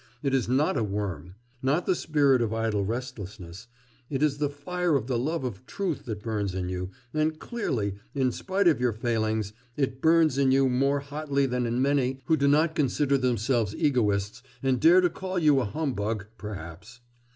It is not a worm, not the spirit of idle restlessness it is the fire of the love of truth that burns in you, and clearly, in spite of your failings; it burns in you more hotly than in many who do not consider themselves egoists and dare to call you a humbug perhaps.